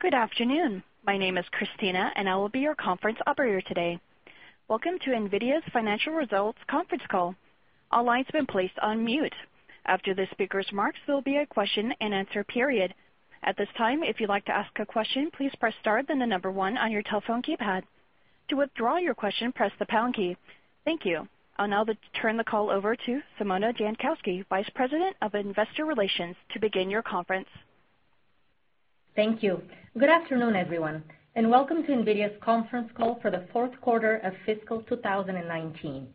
Good afternoon. My name is Christina, and I will be your conference operator today. Welcome to NVIDIA's financial results conference call. All lines have been placed on mute. After the speakers mark, there will be a question and answer period. At this time, if you'd like to ask a question, please press star, then the number 1 on your telephone keypad. To withdraw your question, press the pound key. Thank you. I'll now turn the call over to Simona Jankowski, Vice President of Investor Relations, to begin your conference. Thank you. Good afternoon, everyone, and welcome to NVIDIA's conference call for the fourth quarter of fiscal 2019.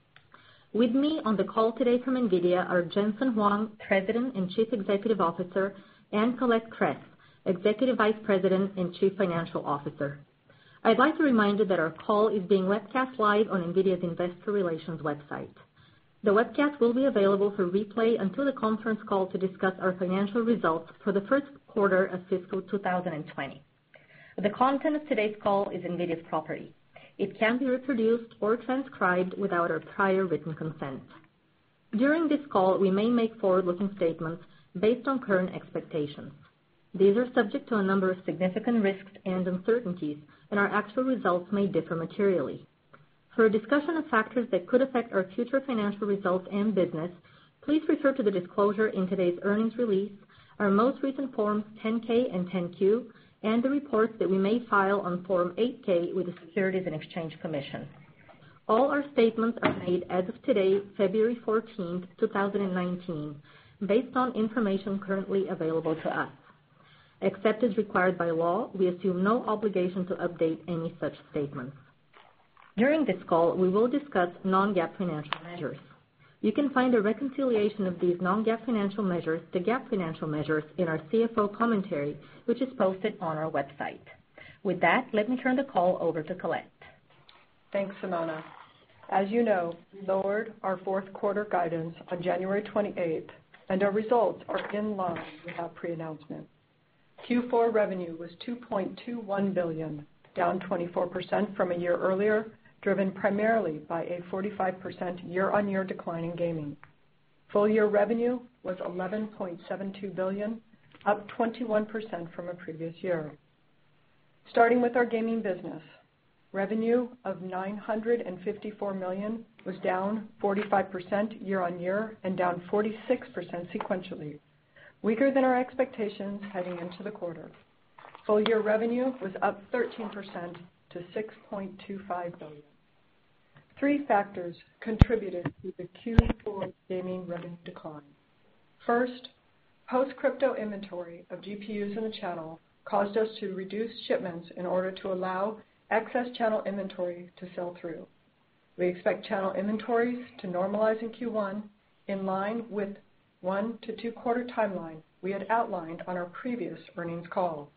With me on the call today from NVIDIA are Jensen Huang, President and Chief Executive Officer, and Colette Kress, Executive Vice President and Chief Financial Officer. I'd like to remind you that our call is being webcast live on NVIDIA's investor relations website. The webcast will be available for replay until the conference call to discuss our financial results for the first quarter of fiscal 2020. The content of today's call is NVIDIA's property. It can't be reproduced or transcribed without our prior written consent. During this call, we may make forward-looking statements based on current expectations. These are subject to a number of significant risks and uncertainties. Our actual results may differ materially. For a discussion of factors that could affect our future financial results and business, please refer to the disclosure in today's earnings release, our most recent Forms 10-K and 10-Q, and the reports that we may file on Form 8-K with the Securities and Exchange Commission. All our statements are made as of today, February 14th, 2019, based on information currently available to us. Except as required by law, we assume no obligation to update any such statements. During this call, we will discuss non-GAAP financial measures. You can find a reconciliation of these non-GAAP financial measures to GAAP financial measures in our CFO Commentary, which is posted on our website. With that, let me turn the call over to Colette. Thanks, Simona. As you know, we lowered our fourth quarter guidance on January 28th. Our results are in line with our pre-announcement. Q4 revenue was $2.21 billion, down 24% from a year earlier, driven primarily by a 45% year-on-year decline in gaming. Full-year revenue was $11.72 billion, up 21% from the previous year. Starting with our gaming business, revenue of $954 million was down 45% year-on-year and down 46% sequentially, weaker than our expectations heading into the quarter. Full-year revenue was up 13% to $6.25 billion. Three factors contributed to the Q4 gaming revenue decline. First, post-crypto inventory of GPUs in the channel caused us to reduce shipments in order to allow excess channel inventory to sell through. We expect channel inventories to normalize in Q1, in line with one to two quarter timeline we had outlined on our previous earnings call.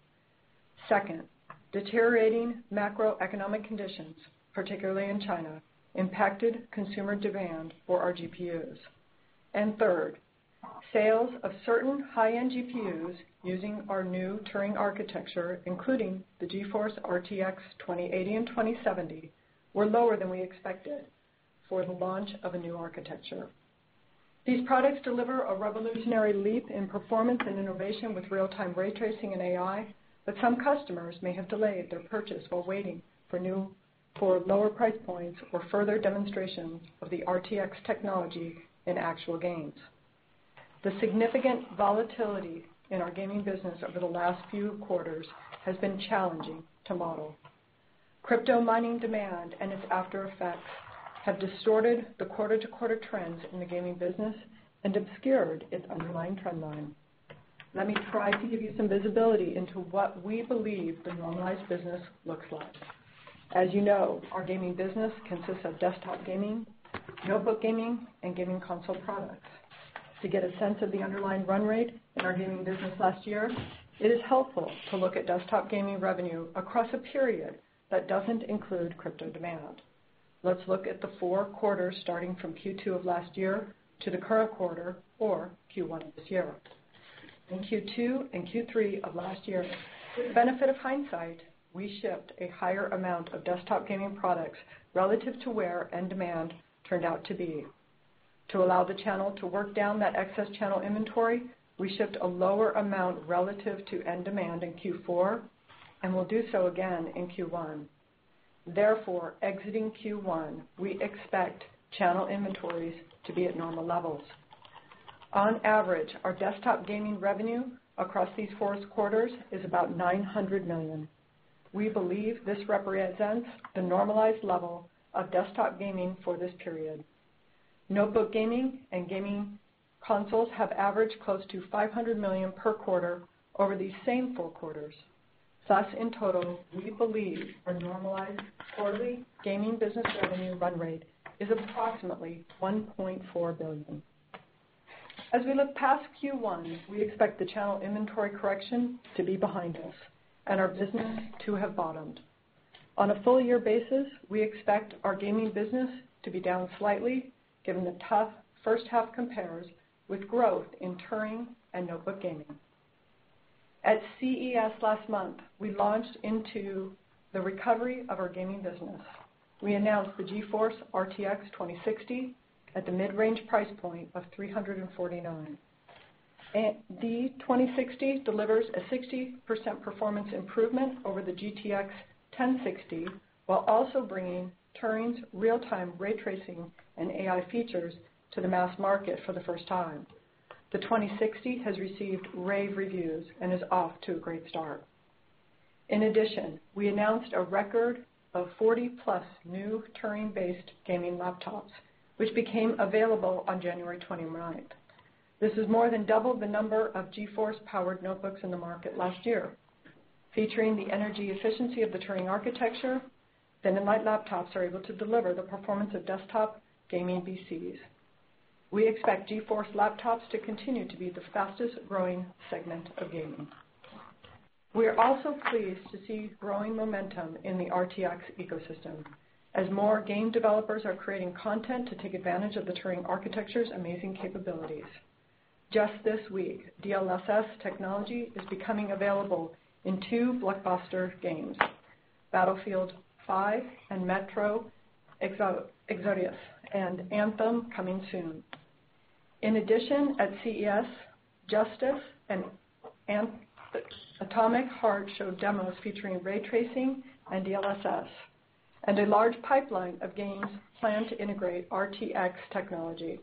Second, deteriorating macroeconomic conditions, particularly in China, impacted consumer demand for our GPUs. Third, sales of certain high-end GPUs using our new Turing architecture, including the GeForce RTX 2080 and 2070, were lower than we expected for the launch of a new architecture. These products deliver a revolutionary leap in performance and innovation with real-time ray tracing and AI, but some customers may have delayed their purchase while waiting for lower price points or further demonstrations of the RTX technology in actual games. The significant volatility in our gaming business over the last few quarters has been challenging to model. Crypto mining demand and its aftereffects have distorted the quarter-to-quarter trends in the gaming business and obscured its underlying trend line. Let me try to give you some visibility into what we believe the normalized business looks like. As you know, our gaming business consists of desktop gaming, notebook gaming, and gaming console products. To get a sense of the underlying run rate in our gaming business last year, it is helpful to look at desktop gaming revenue across a period that doesn't include crypto demand. Let's look at the four quarters starting from Q2 of last year to the current quarter or Q1 of this year. In Q2 and Q3 of last year, with the benefit of hindsight, we shipped a higher amount of desktop gaming products relative to where end demand turned out to be. To allow the channel to work down that excess channel inventory, we shipped a lower amount relative to end demand in Q4 and will do so again in Q1. Therefore, exiting Q1, we expect channel inventories to be at normal levels. On average, our desktop gaming revenue across these four quarters is about $900 million. We believe this represents the normalized level of desktop gaming for this period. Notebook gaming and gaming consoles have averaged close to $500 million per quarter over these same four quarters. Thus, in total, we believe our normalized quarterly gaming business revenue run rate is approximately $1.4 billion. As we look past Q1, we expect the channel inventory correction to be behind us and our business to have bottomed. On a full-year basis, we expect our gaming business to be down slightly given the tough first-half compares with growth in Turing and notebook gaming. At CES last month, we launched into the recovery of our gaming business. We announced the GeForce RTX 2060 at the mid-range price point of $349. The 2060 delivers a 60% performance improvement over the GeForce GTX 1060, while also bringing Turing's real-time ray tracing and AI features to the mass market for the first time. The 2060 has received rave reviews and is off to a great start. In addition, we announced a record of 40-plus new Turing-based gaming laptops, which became available on January 29th. This is more than double the number of GeForce-powered notebooks in the market last year. Featuring the energy efficiency of the Turing architecture, thin and light laptops are able to deliver the performance of desktop gaming PCs. We expect GeForce laptops to continue to be the fastest-growing segment of gaming. We are also pleased to see growing momentum in the RTX ecosystem as more game developers are creating content to take advantage of the Turing architecture's amazing capabilities. Just this week, DLSS technology is becoming available in two blockbuster games, Battlefield V and Metro Exodus, Anthem coming soon. At CES, Justice and Atomic Heart showed demos featuring ray tracing and DLSS, a large pipeline of games plan to integrate NVIDIA RTX technology.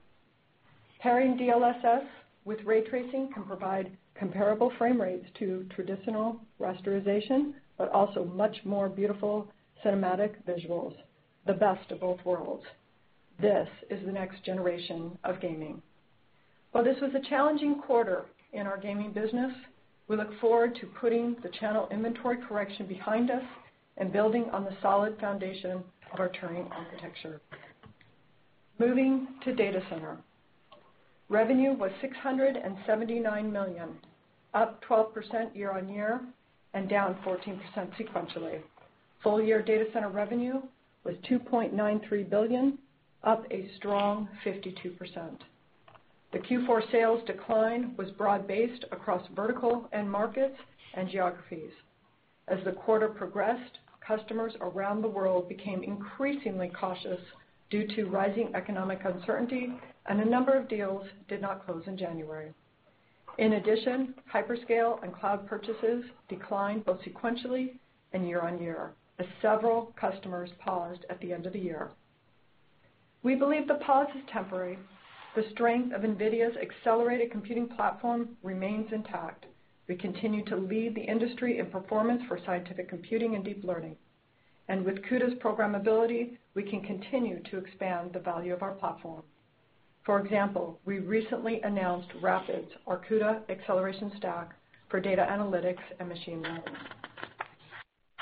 Pairing DLSS with ray tracing can provide comparable frame rates to traditional rasterization, much more beautiful cinematic visuals, the best of both worlds. This is the next generation of gaming. While this was a challenging quarter in our gaming business, we look forward to putting the channel inventory correction behind us and building on the solid foundation of our Turing architecture. Moving to data center. Revenue was $679 million, up 12% year-on-year, down 14% sequentially. Full year data center revenue was $2.93 billion, up a strong 52%. The Q4 sales decline was broad-based across vertical, end markets, and geographies. As the quarter progressed, customers around the world became increasingly cautious due to rising economic uncertainty, a number of deals did not close in January. Hyperscale and cloud purchases declined both sequentially and year-on-year, as several customers paused at the end of the year. We believe the pause is temporary. The strength of NVIDIA's accelerated computing platform remains intact. We continue to lead the industry in performance for scientific computing and deep learning. With CUDA's programmability, we can continue to expand the value of our platform. For example, we recently announced RAPIDS, our CUDA acceleration stack for data analytics and machine learning.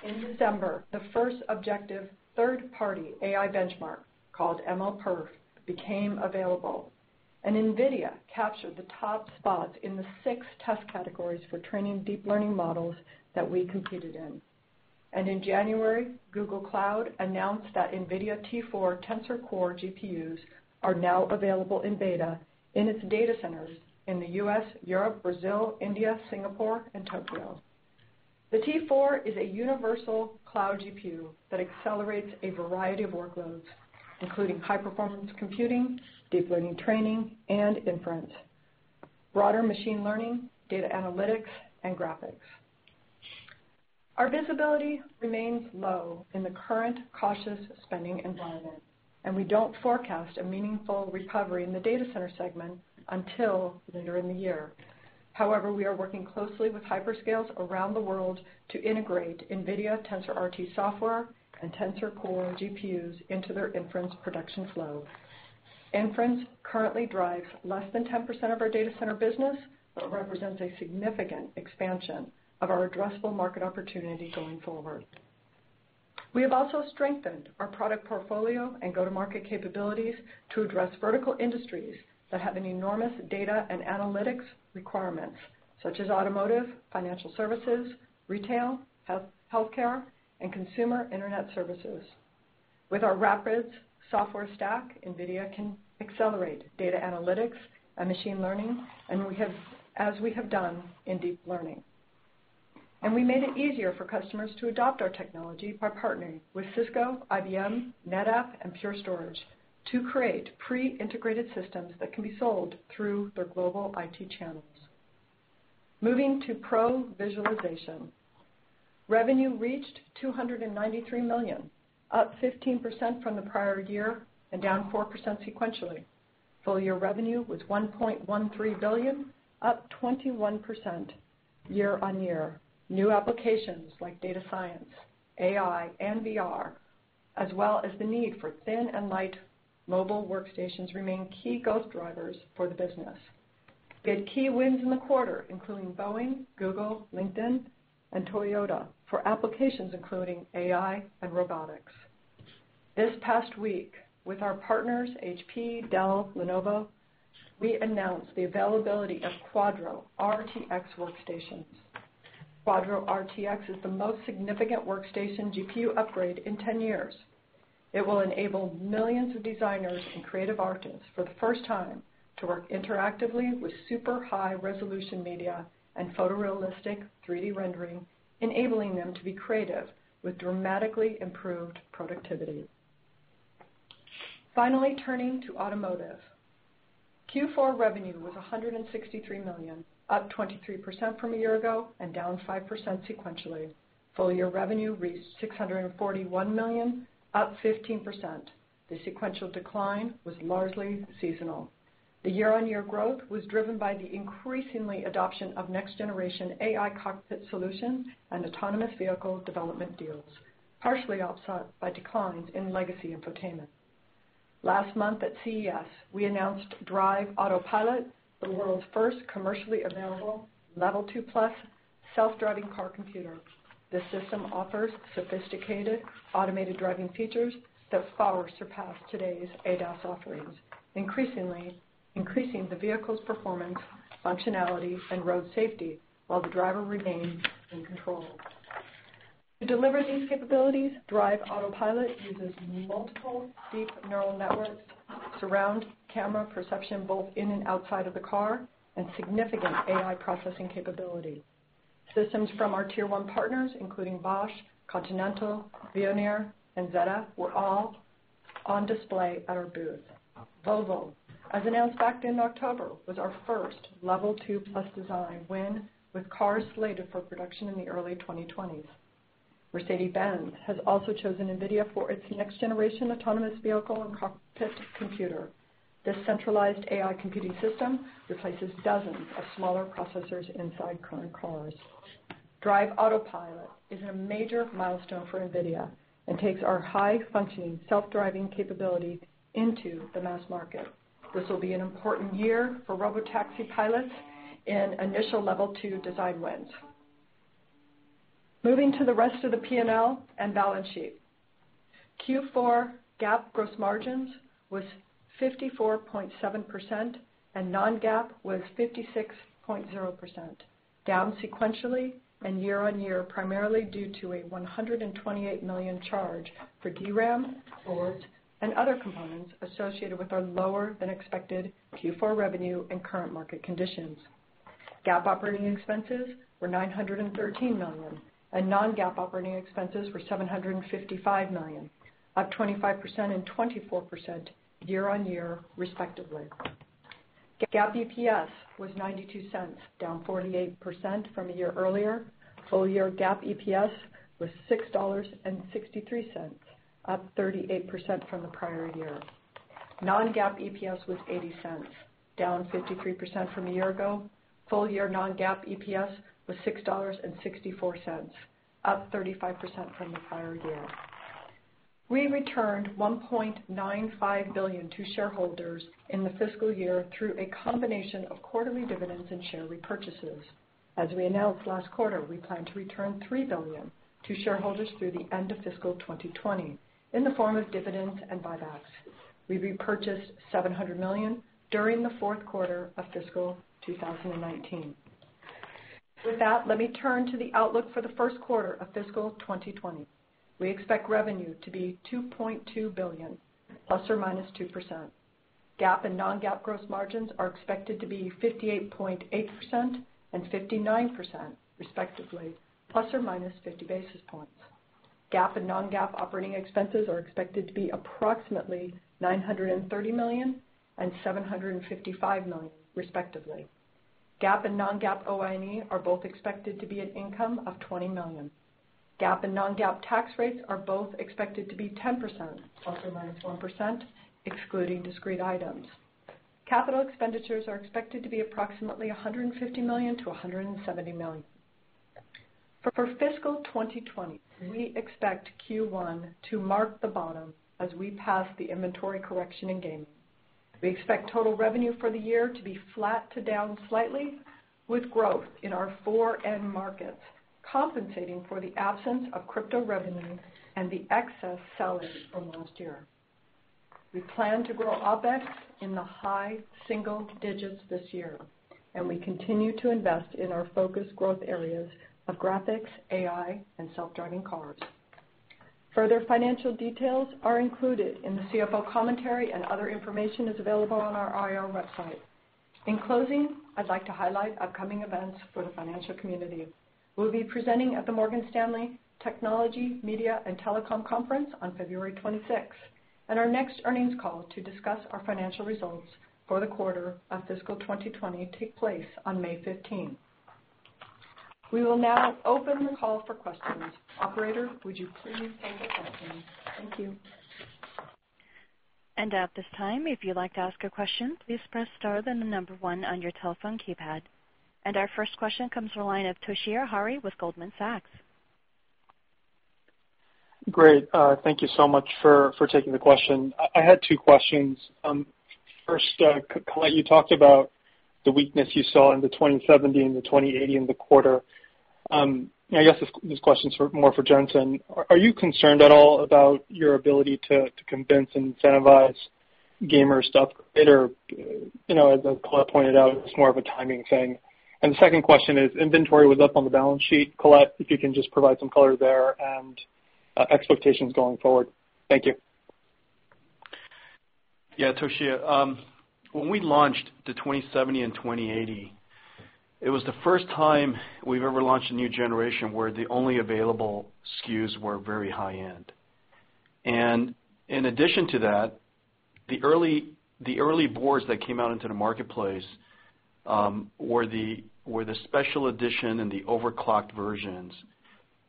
In December, the first objective third-party AI benchmark, called MLPerf, became available, NVIDIA captured the top spots in the six test categories for training deep learning models that we competed in. In January, Google Cloud announced that NVIDIA T4 Tensor Core GPUs are now available in beta in its data centers in the U.S., Europe, Brazil, India, Singapore, and Tokyo. The T4 is a universal cloud GPU that accelerates a variety of workloads, including high-performance computing, deep learning training and inference, broader machine learning, data analytics, and graphics. Our visibility remains low in the current cautious spending environment, we don't forecast a meaningful recovery in the data center segment until later in the year. However, we are working closely with hyperscales around the world to integrate NVIDIA TensorRT software and Tensor Core GPUs into their inference production flow. Inference currently drives less than 10% of our data center business, represents a significant expansion of our addressable market opportunity going forward. We have also strengthened our product portfolio and go-to-market capabilities to address vertical industries that have an enormous data and analytics requirements, such as automotive, financial services, retail, healthcare, and consumer internet services. With our RAPIDS software stack, NVIDIA can accelerate data analytics and machine learning as we have done in deep learning. We made it easier for customers to adopt our technology by partnering with Cisco, IBM, NetApp, and Pure Storage to create pre-integrated systems that can be sold through their global IT channels. Moving to pro visualization. Revenue reached $293 million, up 15% from the prior year, down 4% sequentially. Full year revenue was $1.13 billion, up 21% year-on-year. New applications like data science, AI, and VR, as well as the need for thin and light mobile workstations remain key growth drivers for the business. We had key wins in the quarter, including Boeing, Google, LinkedIn, and Toyota, for applications including AI and robotics. This past week, with our partners HP, Dell, Lenovo, we announced the availability of Quadro RTX workstations. Quadro RTX is the most significant workstation GPU upgrade in 10 years. It will enable millions of designers and creative artists for the first time to work interactively with super high resolution media and photorealistic 3D rendering, enabling them to be creative with dramatically improved productivity. Finally, turning to automotive. Q4 revenue was $163 million, up 23% from a year ago and down 5% sequentially. Full-year revenue reached $641 million, up 15%. The sequential decline was largely seasonal. The year-on-year growth was driven by the increasing adoption of next-generation AI cockpit solutions and autonomous vehicle development deals, partially offset by declines in legacy infotainment. Last month at CES, we announced DRIVE AutoPilot, the world's first commercially available Level 2+ self-driving car computer. This system offers sophisticated automated driving features that far surpass today's ADAS offerings, increasingly increasing the vehicle's performance, functionality, and road safety while the driver remains in control. To deliver these capabilities, DRIVE AutoPilot uses multiple deep neural networks, surround camera perception both in and outside of the car, and significant AI processing capability. Systems from our tier 1 partners, including Bosch, Continental, Veoneer, and ZF, were all on display at our booth. Volvo, as announced back in October, was our first Level 2+ design win, with cars slated for production in the early 2020s. Mercedes-Benz has also chosen NVIDIA for its next-generation autonomous vehicle and cockpit computer. This centralized AI computing system replaces dozens of smaller processors inside current cars. DRIVE AutoPilot is a major milestone for NVIDIA and takes our high-functioning self-driving capability into the mass market. This will be an important year for robotaxi pilots and initial Level 2 design wins. Moving to the rest of the P&L and balance sheet. Q4 GAAP gross margins was 54.7%, and non-GAAP was 56.0%, down sequentially and year-on-year, primarily due to a $128 million charge for DRAM, boards, and other components associated with our lower-than-expected Q4 revenue and current market conditions. GAAP operating expenses were $913 million, and non-GAAP operating expenses were $755 million, up 25% and 24% year-on-year respectively. GAAP EPS was $0.92, down 48% from a year earlier. Full-year GAAP EPS was $6.63, up 38% from the prior year. Non-GAAP EPS was $0.80, down 53% from a year ago. Full-year non-GAAP EPS was $6.64, up 35% from the prior year. We returned $1.95 billion to shareholders in the fiscal year through a combination of quarterly dividends and share repurchases. As we announced last quarter, we plan to return $3 billion to shareholders through the end of fiscal 2020 in the form of dividends and buybacks. We repurchased $700 million during the fourth quarter of fiscal 2019. With that, let me turn to the outlook for the first quarter of fiscal 2020. We expect revenue to be $2.2 billion, ±2%. GAAP and non-GAAP gross margins are expected to be 58.8% and 59%, respectively, ±50 basis points. GAAP and non-GAAP operating expenses are expected to be approximately $930 million and $755 million, respectively. GAAP and non-GAAP OIE are both expected to be an income of $20 million. GAAP and non-GAAP tax rates are both expected to be 10%, ±1%, excluding discrete items. Capital expenditures are expected to be approximately $150 million-$170 million. For fiscal 2020, we expect Q1 to mark the bottom as we pass the inventory correction in gaming. We expect total revenue for the year to be flat to down slightly, with growth in our four end markets compensating for the absence of crypto revenue and the excess selling from last year. We plan to grow OpEx in the high single digits this year, and we continue to invest in our focused growth areas of graphics, AI, and self-driving cars. Further financial details are included in the CFO commentary and other information is available on our IR website. In closing, I'd like to highlight upcoming events for the financial community. We'll be presenting at the Morgan Stanley Technology, Media, and Telecom Conference on February 26th. Our next earnings call to discuss our financial results for the quarter of fiscal 2020 take place on May 15th. We will now open the call for questions. Operator, would you please take the questions? Thank you. At this time, if you'd like to ask a question, please press star then the number one on your telephone keypad. Our first question comes from the line of Toshiya Hari with Goldman Sachs. Great. Thank you so much for taking the question. I had two questions. First, Colette, you talked about the weakness you saw in the 2070 and the 2080 in the quarter. I guess this question is more for Jensen. Are you concerned at all about your ability to convince and incentivize gamer stuff, or as Colette pointed out, it was more of a timing thing. The second question is, inventory was up on the balance sheet. Colette, if you can just provide some color there, and expectations going forward. Thank you. Yeah, Toshiya. When we launched the 2070 and 2080, it was the first time we've ever launched a new generation where the only available SKUs were very high-end. In addition to that, the early boards that came out into the marketplace were the special edition and the overclocked versions.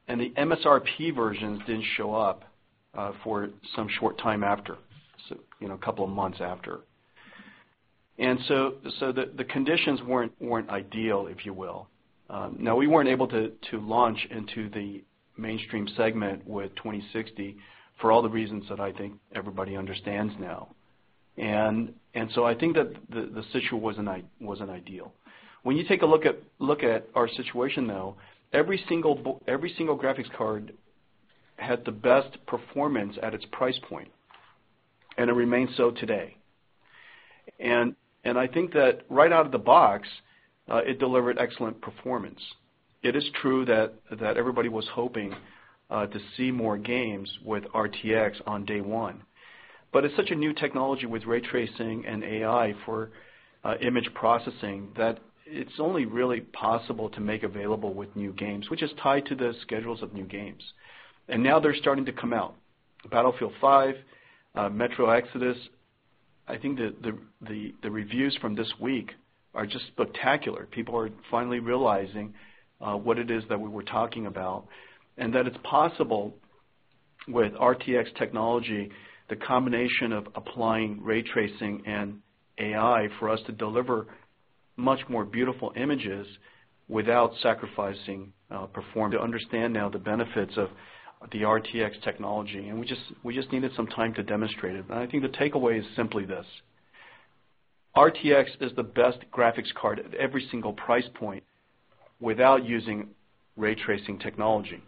The MSRP versions didn't show up for some short time after, so a couple of months after. The conditions weren't ideal, if you will. Now, we weren't able to launch into the mainstream segment with 2060 for all the reasons that I think everybody understands now. I think that the situation wasn't ideal. When you take a look at our situation now, every single graphics card had the best performance at its price point, and it remains so today. I think that right out of the box, it delivered excellent performance. It is true that everybody was hoping to see more games with RTX on day one. It's such a new technology with ray tracing and AI for image processing that it's only really possible to make available with new games, which is tied to the schedules of new games. Now they're starting to come out. Battlefield V, Metro Exodus. I think the reviews from this week are just spectacular. People are finally realizing what it is that we were talking about, and that it's possible with RTX technology, the combination of applying ray tracing and AI, for us to deliver much more beautiful images without sacrificing performance. To understand now the benefits of the RTX technology, and we just needed some time to demonstrate it. I think the takeaway is simply this. RTX is the best graphics card at every single price point without using ray tracing technology.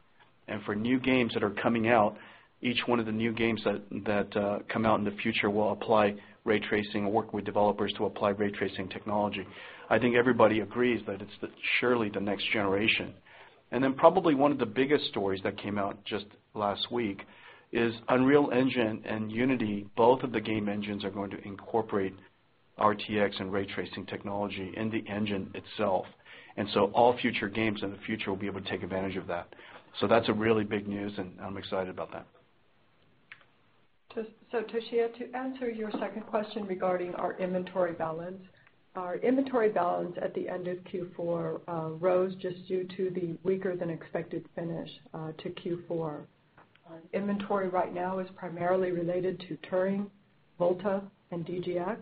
For new games that are coming out, each one of the new games that come out in the future will apply ray tracing or work with developers to apply ray tracing technology. I think everybody agrees that it's surely the next generation. Probably one of the biggest stories that came out just last week is Unreal Engine and Unity, both of the game engines are going to incorporate RTX and ray tracing technology in the engine itself. All future games in the future will be able to take advantage of that. That's a really big news, and I'm excited about that. Toshiya, to answer your second question regarding our inventory balance. Our inventory balance at the end of Q4 rose just due to the weaker than expected finish to Q4. Inventory right now is primarily related to Turing, Volta, and DGX.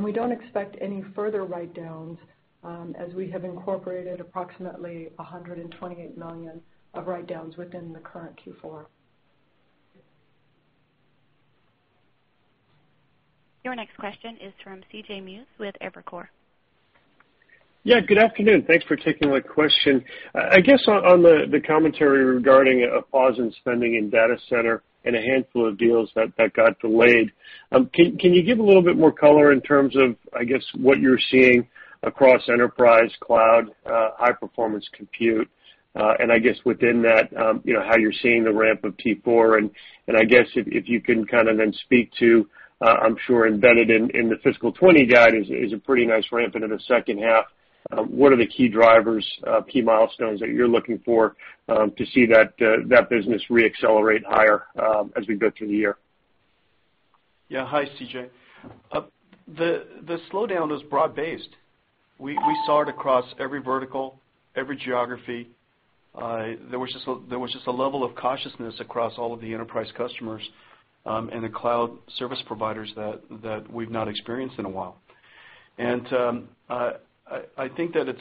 We don't expect any further write-downs, as we have incorporated approximately $128 million of write-downs within the current Q4. Your next question is from C.J. Muse with Evercore. Yeah, good afternoon. Thanks for taking my question. I guess on the commentary regarding a pause in spending in data center and a handful of deals that got delayed, can you give a little bit more color in terms of, I guess, what you're seeing across enterprise, cloud, high-performance compute? I guess within that, how you're seeing the ramp of T4, I guess if you can then speak to, I'm sure embedded in the fiscal 2020 guide is a pretty nice ramp into the second half. What are the key drivers, key milestones that you're looking for to see that business re-accelerate higher as we go through the year? Yeah. Hi, C.J. The slowdown was broad-based. We saw it across every vertical, every geography. There was just a level of cautiousness across all of the enterprise customers, and the cloud service providers that we've not experienced in a while. I think that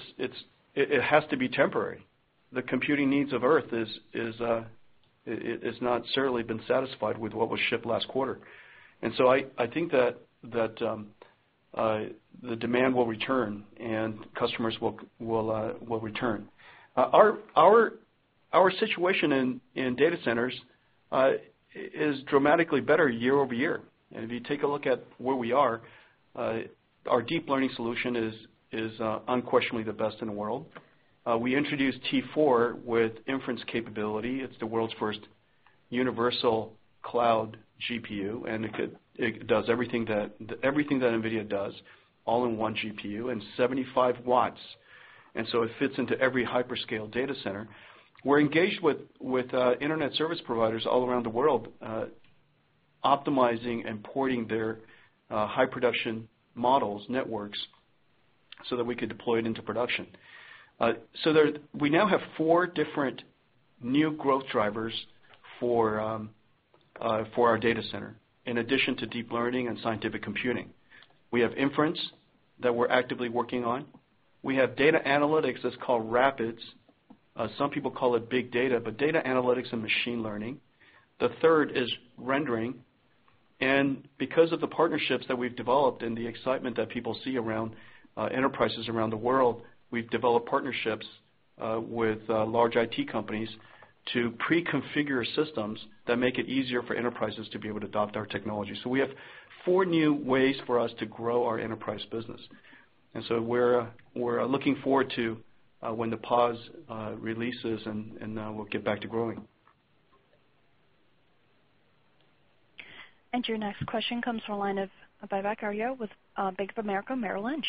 it has to be temporary. The computing needs of Earth has not certainly been satisfied with what was shipped last quarter. I think that the demand will return, and customers will return. Our situation in data centers is dramatically better year-over-year. If you take a look at where we are, our deep learning solution is unquestionably the best in the world. We introduced T4 with inference capability. It's the world's first universal cloud GPU, and it does everything that NVIDIA does all in one GPU in 75 watts. It fits into every hyperscale data center. We're engaged with internet service providers all around the world, optimizing and porting their high-production models, networks, so that we could deploy it into production. We now have four different new growth drivers for our data center, in addition to deep learning and scientific computing. We have inference that we're actively working on. We have data analytics that's called RAPIDS. Some people call it big data, but data analytics and machine learning. The third is rendering. Because of the partnerships that we've developed and the excitement that people see around enterprises around the world, we've developed partnerships with large IT companies to pre-configure systems that make it easier for enterprises to be able to adopt our technology. We have four new ways for us to grow our enterprise business. We're looking forward to when the pause releases, and now we'll get back to growing. Your next question comes from the line of Vivek Arya with Bank of America Merrill Lynch.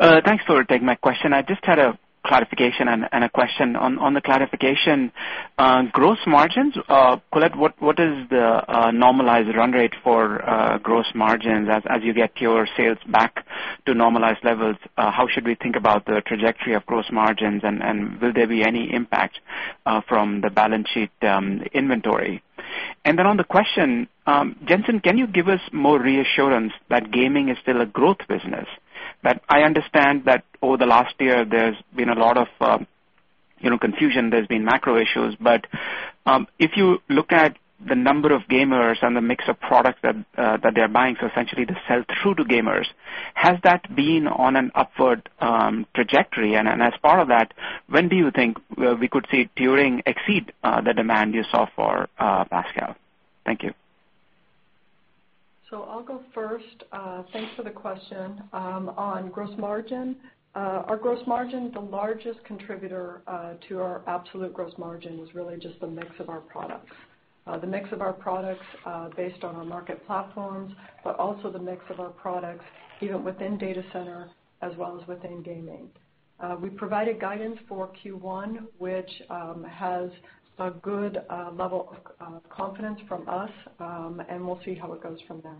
Thanks for taking my question. I just had a clarification and a question. On the clarification on gross margins, Colette, what is the normalized run rate for gross margins as you get your sales back to normalized levels? How should we think about the trajectory of gross margins, and will there be any impact from the balance sheet inventory? On the question, Jensen, can you give us more reassurance that gaming is still a growth business? I understand that over the last year, there's been a lot of confusion, there's been macro issues, but if you look at the number of gamers and the mix of products that they're buying, so essentially the sell-through to gamers, has that been on an upward trajectory? As part of that, when do you think we could see Turing exceed the demand you saw for Pascal? Thank you. I'll go first. Thanks for the question. On gross margin, our gross margin, the largest contributor to our absolute gross margin was really just the mix of our products. The mix of our products based on our market platforms, but also the mix of our products even within data center as well as within gaming. We provided guidance for Q1, which has a good level of confidence from us, and we'll see how it goes from there.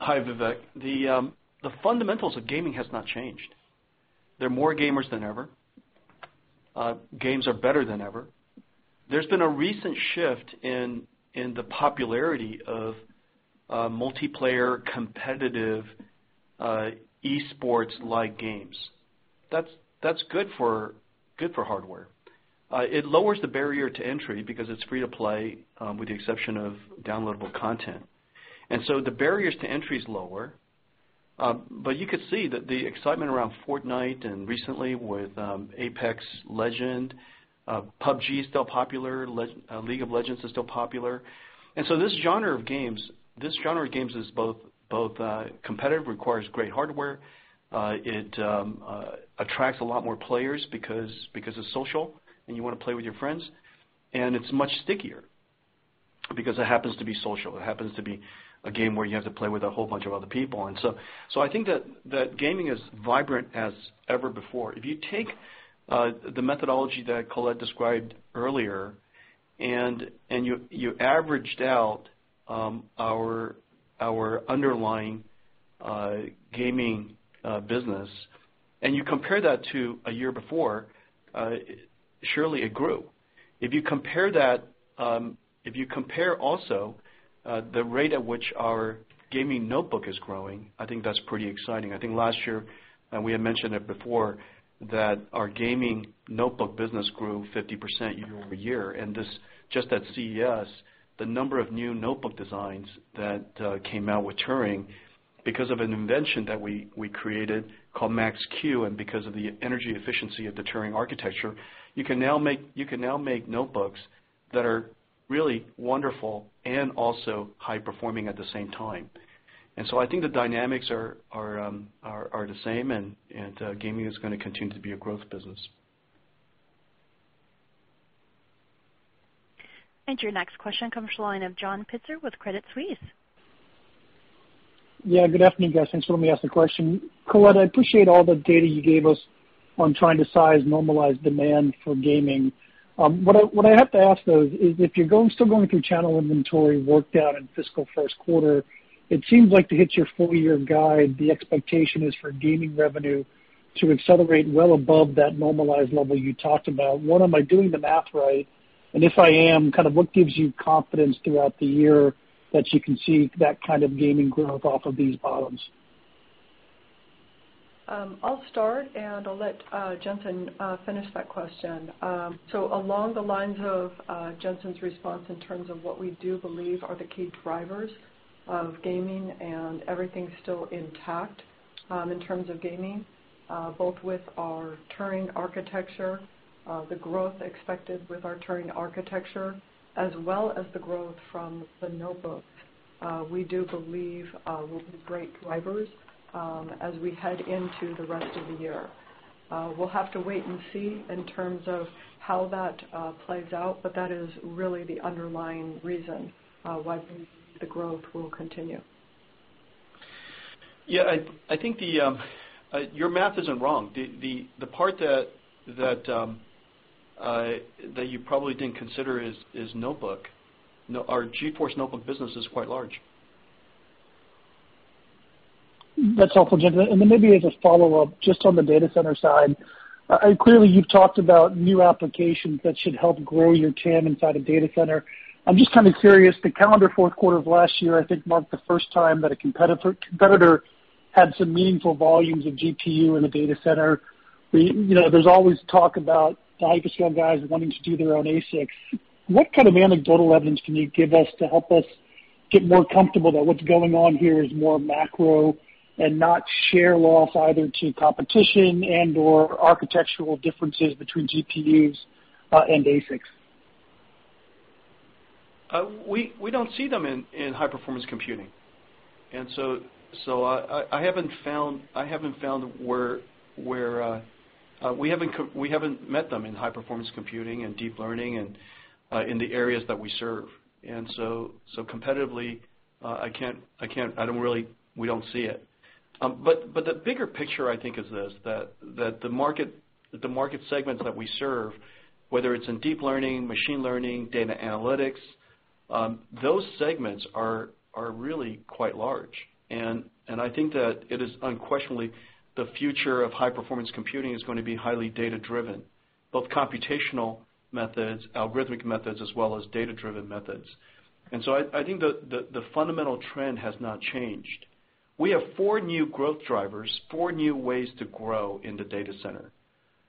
Hi, Vivek. The fundamentals of gaming has not changed. There are more gamers than ever. Games are better than ever. There's been a recent shift in the popularity of multiplayer competitive esports-like games. That's good for hardware. It lowers the barrier to entry because it's free to play, with the exception of downloadable content. The barriers to entry is lower. You could see that the excitement around Fortnite and recently with Apex Legends, PUBG is still popular, League of Legends is still popular. This genre of games is both competitive, requires great hardware, it attracts a lot more players because it's social and you want to play with your friends, and it's much stickier because it happens to be social. It happens to be a game where you have to play with a whole bunch of other people. I think that gaming is vibrant as ever before. If you take the methodology that Colette described earlier, and you averaged out our underlying gaming business, and you compare that to a year before, surely it grew. If you compare also the rate at which our gaming notebook is growing, I think that's pretty exciting. I think last year, and we had mentioned it before, that our gaming notebook business grew 50% year-over-year. Just at CES, the number of new notebook designs that came out with Turing because of an invention that we created called Max-Q and because of the energy efficiency of the Turing architecture, you can now make notebooks that are really wonderful and also high-performing at the same time. I think the dynamics are the same, and gaming is going to continue to be a growth business. Your next question comes to the line of John Pitzer with Credit Suisse. Yeah. Good afternoon, guys. Thanks for let me ask the question. Colette, I appreciate all the data you gave us on trying to size normalized demand for gaming. What I have to ask, though, is if you're still going through channel inventory work down in fiscal first quarter, it seems like to hit your full-year guide, the expectation is for gaming revenue to accelerate well above that normalized level you talked about. One, am I doing the math right? If I am, kind of what gives you confidence throughout the year that you can see that kind of gaming growth off of these bottoms? I'll start, and I'll let Jensen finish that question. Along the lines of Jensen's response in terms of what we do believe are the key drivers of gaming and everything still intact in terms of gaming, both with our Turing architecture, the growth expected with our Turing architecture, as well as the growth from the notebooks, we do believe will be great drivers as we head into the rest of the year. We'll have to wait and see in terms of how that plays out, but that is really the underlying reason why we believe the growth will continue. Yeah, I think your math isn't wrong. The part that you probably didn't consider is notebook. Our GeForce notebook business is quite large. That's helpful, Jensen. Maybe as a follow-up, just on the data center side, clearly you've talked about new applications that should help grow your TAM inside of data center. I'm just kind of curious, the calendar fourth quarter of last year, I think marked the first time that a competitor had some meaningful volumes of GPU in the data center. There's always talk about the Hyperscale guys wanting to do their own ASICs. What kind of anecdotal evidence can you give us to help us get more comfortable that what's going on here is more macro and not share loss either to competition and/or architectural differences between GPUs and ASICs. We don't see them in high-performance computing. We haven't met them in high-performance computing and deep learning and in the areas that we serve. Competitively, we don't see it. The bigger picture, I think, is this, that the market segments that we serve, whether it's in deep learning, machine learning, data analytics, those segments are really quite large. I think that it is unquestionably the future of high-performance computing is going to be highly data-driven, both computational methods, algorithmic methods, as well as data-driven methods. I think the fundamental trend has not changed. We have four new growth drivers, four new ways to grow in the data center.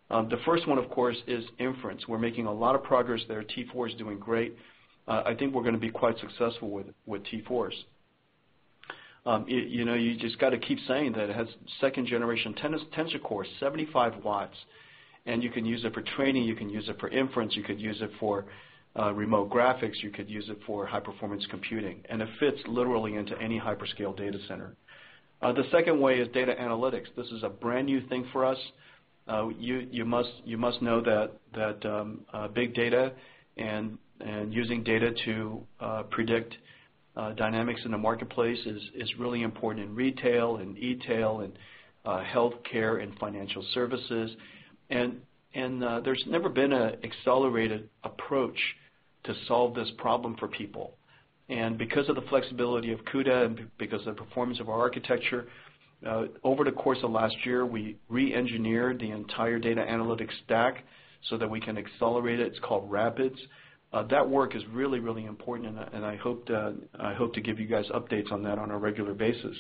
The first one, of course, is inference. We're making a lot of progress there. T4 is doing great. I think we're going to be quite successful with T4s. You just got to keep saying that it has second generation Tensor Core, 75 watts, and you can use it for training, you can use it for inference, you could use it for remote graphics, you could use it for high-performance computing. It fits literally into any hyperscale data center. The second way is data analytics. This is a brand-new thing for us. You must know that big data and using data to predict dynamics in the marketplace is really important in retail and e-tail and healthcare and financial services. There's never been an accelerated approach to solve this problem for people. Because of the flexibility of CUDA and because of the performance of our architecture, over the course of last year, we re-engineered the entire data analytics stack so that we can accelerate it. It's called RAPIDS. That work is really, really important, and I hope to give you guys updates on that on a regular basis.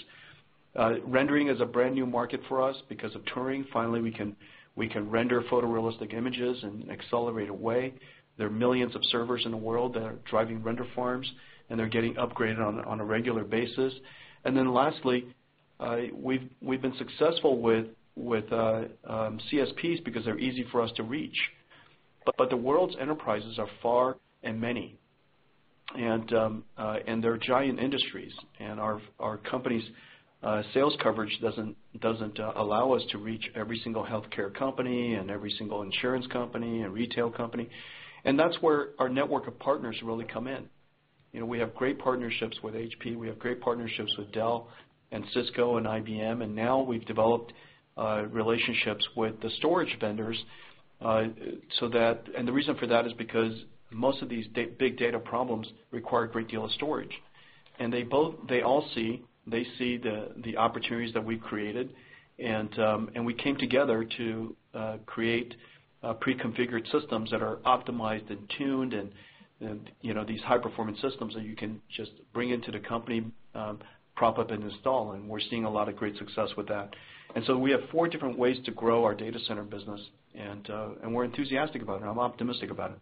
Rendering is a brand-new market for us because of Turing. Finally, we can render photorealistic images and accelerate away. There are millions of servers in the world that are driving render farms, and they're getting upgraded on a regular basis. Lastly, we've been successful with CSPs because they're easy for us to reach. The world's enterprises are far and many, and they're giant industries. Our company's sales coverage doesn't allow us to reach every single healthcare company and every single insurance company and retail company. That's where our network of partners really come in. We have great partnerships with HP. We have great partnerships with Dell and Cisco and IBM. Now we've developed relationships with the storage vendors. The reason for that is because most of these big data problems require a great deal of storage. They all see the opportunities that we've created, and we came together to create pre-configured systems that are optimized and tuned. These high-performance systems that you can just bring into the company, prop up, and install. We're seeing a lot of great success with that. So we have four different ways to grow our data center business, and we're enthusiastic about it. I'm optimistic about it.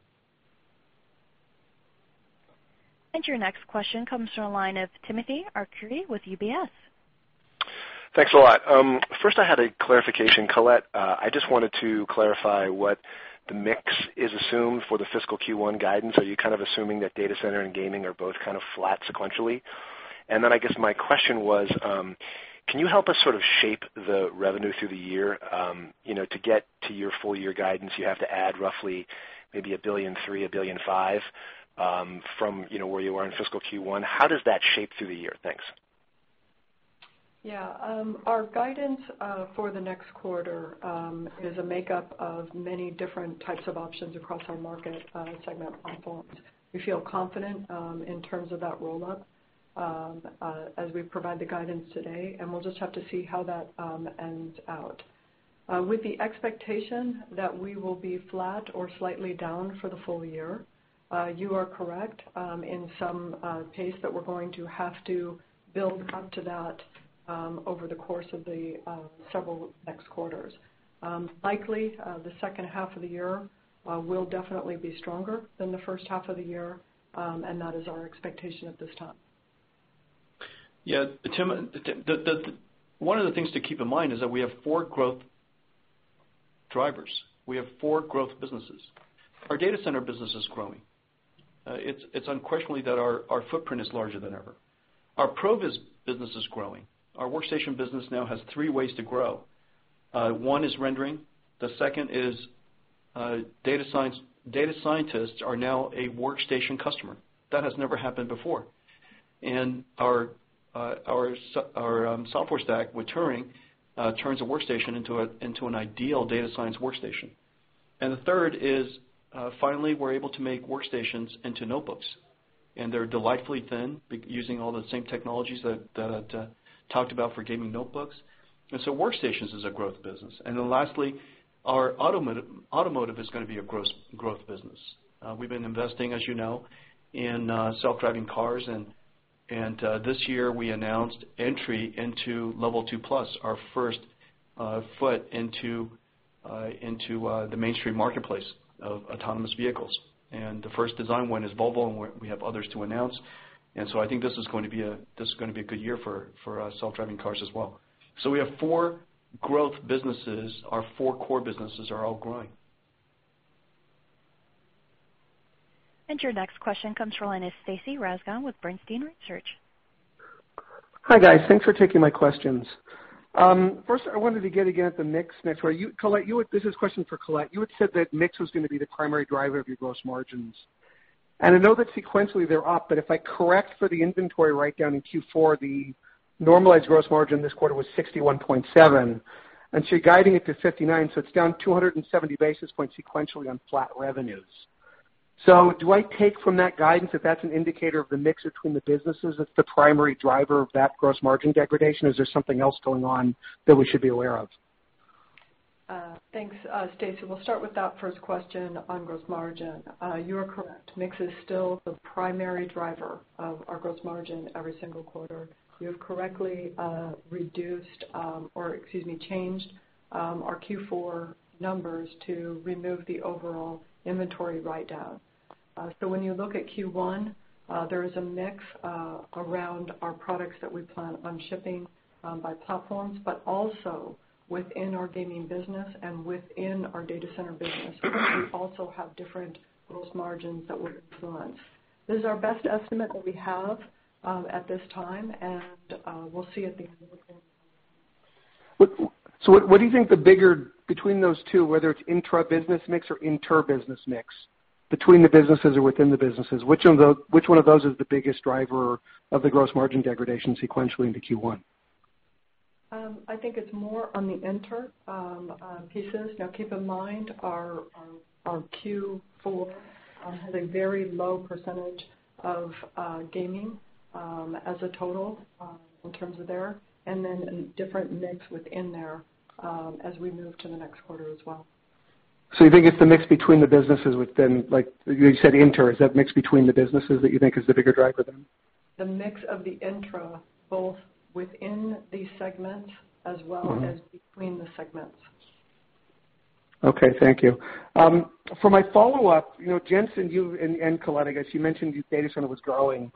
Your next question comes from the line of Timothy Arcuri with UBS. Thanks a lot. First I had a clarification. Colette, I just wanted to clarify what the mix is assumed for the fiscal Q1 guidance. Are you assuming that data center and gaming are both flat sequentially? I guess my question was, can you help us shape the revenue through the year? To get to your full year guidance, you have to add roughly, maybe $1.3 billion, $1.5 billion, from where you are in fiscal Q1. How does that shape through the year? Thanks. Yeah. Our guidance for the next quarter is a makeup of many different types of options across our market segment platforms. We feel confident in terms of that roll-up as we provide the guidance today. We'll just have to see how that ends out. With the expectation that we will be flat or slightly down for the full year, you are correct, in some pace that we're going to have to build up to that over the course of the several next quarters. Likely, the second half of the year will definitely be stronger than the first half of the year, that is our expectation at this time. Yeah, Tim, one of the things to keep in mind is that we have four growth drivers. We have four growth businesses. Our data center business is growing. It's unquestionably that our footprint is larger than ever. Our pro business is growing. Our workstation business now has three ways to grow. One is rendering. The second is data scientists are now a workstation customer. That has never happened before. Our software stack with Turing, turns a workstation into an ideal data science workstation. The third is, finally, we're able to make workstations into notebooks, and they're delightfully thin, using all the same technologies that I've talked about for gaming notebooks. Workstations is a growth business. Lastly, our automotive is going to be a growth business. We've been investing, as you know, in self-driving cars. This year we announced entry into Level 2+, our first foot into the mainstream marketplace of autonomous vehicles. The first design win is Volvo. We have others to announce. I think this is going to be a good year for our self-driving cars as well. We have four growth businesses. Our four core businesses are all growing. Your next question comes from the line of Stacy Rasgon with Bernstein Research. Hi, guys. Thanks for taking my questions. First, I wanted to get again at the mix. This is a question for Colette. You had said that mix was going to be the primary driver of your gross margins, and I know that sequentially they're up, but if I correct for the inventory write-down in Q4, the normalized gross margin this quarter was 61.7, you're guiding it to 59. It's down 270 basis points sequentially on flat revenues. Do I take from that guidance that that's an indicator of the mix between the businesses as the primary driver of that gross margin degradation? Is there something else going on that we should be aware of? Thanks, Stacy. We'll start with that first question on gross margin. You are correct. Mix is still the primary driver of our gross margin every single quarter. You have correctly reduced, or excuse me, changed our Q4 numbers to remove the overall inventory write-down. When you look at Q1, there is a mix around our products that we plan on shipping by platforms, but also within our gaming business and within our data center business we also have different gross margins that would influence. This is our best estimate that we have at this time, and we'll see at the end of the quarter. What do you think the bigger between those two, whether it's intra-business mix or inter-business mix, between the businesses or within the businesses, which one of those is the biggest driver of the gross margin degradation sequentially into Q1? I think it's more on the inter pieces. Keep in mind, our Q4 has a very low percentage of gaming as a total in terms of there, a different mix within there as we move to the next quarter as well. You think it's the mix between the businesses within, like you said, inter, is that mix between the businesses that you think is the bigger driver then? The mix of the intra, both within these segments as well as between the segments. Thank you. For my follow-up, Jensen, you and Colette, I guess you mentioned data center was growing,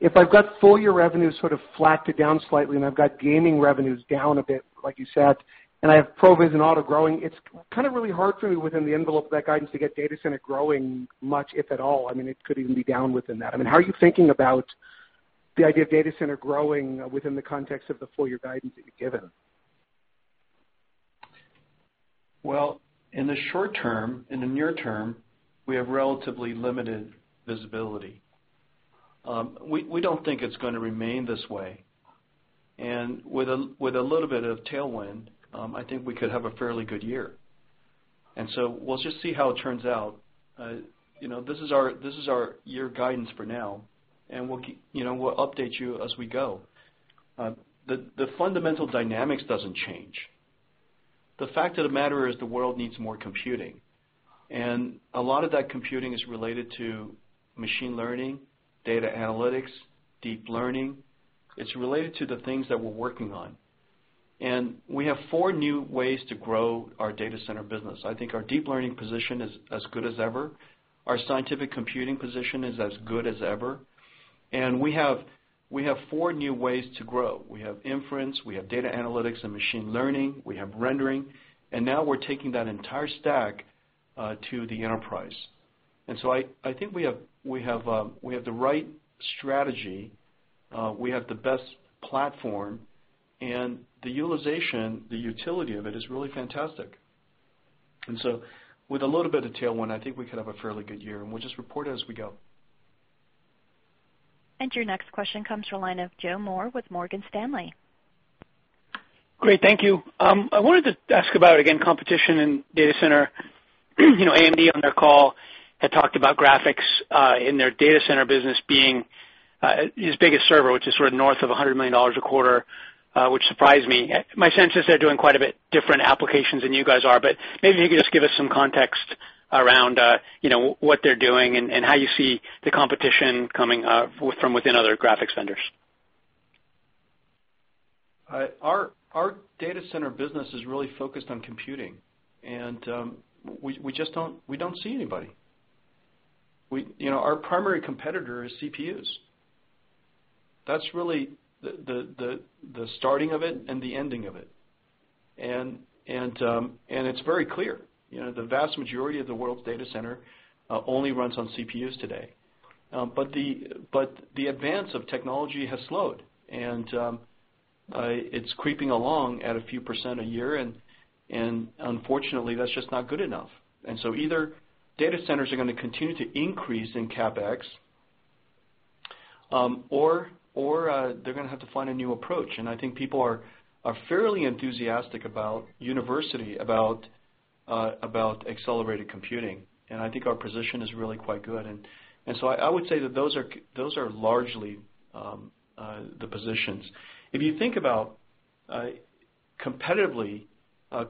if I've got full year revenue sort of flat to down slightly, I've got gaming revenues down a bit, like you said, I have ProVis and Auto growing, it's kind of really hard for me within the envelope of that guidance to get data center growing much, if at all. I mean, it could even be down within that. I mean, how are you thinking about the idea of data center growing within the context of the full year guidance that you've given? Well, in the short term, in the near term, we have relatively limited visibility. We don't think it's going to remain this way. With a little bit of tailwind, I think we could have a fairly good year. We'll just see how it turns out. This is our year guidance for now, and we'll update you as we go. The fundamental dynamics doesn't change. The fact of the matter is the world needs more computing, and a lot of that computing is related to machine learning, data analytics, deep learning. It's related to the things that we're working on. We have four new ways to grow our data center business. I think our deep learning position is as good as ever. Our scientific computing position is as good as ever. We have four new ways to grow. We have inference, we have data analytics and machine learning, we have rendering, now we're taking that entire stack to the enterprise. I think we have the right strategy, we have the best platform, the utilization, the utility of it is really fantastic. With a little bit of tailwind, I think we could have a fairly good year, we'll just report it as we go. Your next question comes from the line of Joseph Moore with Morgan Stanley. Great, thank you. I wanted to ask about, again, competition in data center. AMD on their call had talked about graphics in their data center business being his biggest server, which is sort of north of $100 million a quarter, which surprised me. My sense is they're doing quite a bit different applications than you guys are, maybe you could just give us some context around what they're doing and how you see the competition coming from within other graphics vendors. Our data center business is really focused on computing. We don't see anybody. Our primary competitor is CPUs. That's really the starting of it and the ending of it. It's very clear. The vast majority of the world's data center only runs on CPUs today. The advance of technology has slowed. It's creeping along at a few % a year. Unfortunately, that's just not good enough. Either data centers are going to continue to increase in CapEx or they're going to have to find a new approach. I think people are fairly enthusiastic about university, about accelerated computing. I think our position is really quite good. I would say that those are largely the positions. If you think about competitively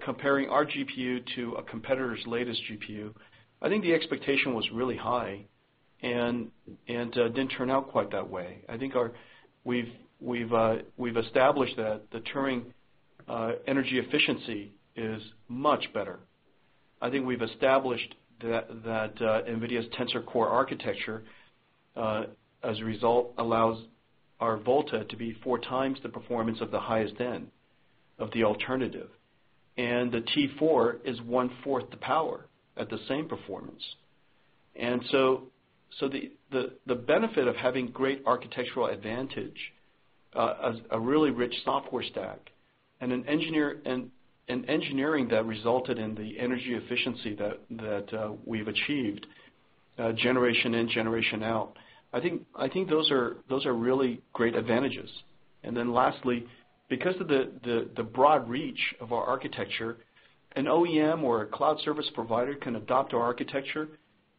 comparing our GPU to a competitor's latest GPU, I think the expectation was really high. It didn't turn out quite that way. I think we've established that the Turing energy efficiency is much better. I think we've established that NVIDIA's Tensor Core architecture, as a result, allows our Volta to be four times the performance of the highest end of the alternative. The T4 is one-fourth the power at the same performance. The benefit of having great architectural advantage, a really rich software stack, and an engineering that resulted in the energy efficiency that we've achieved generation in, generation out, I think those are really great advantages. Lastly, because of the broad reach of our architecture, an OEM or a Cloud Service Provider can adopt our architecture.